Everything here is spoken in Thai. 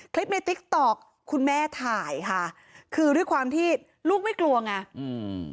ในติ๊กต๊อกคุณแม่ถ่ายค่ะคือด้วยความที่ลูกไม่กลัวไงอืม